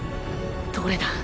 どれだ？